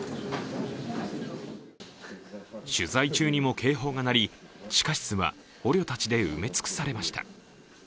取材中にも警報が鳴り地下室は捕虜たちで埋め尽くされました。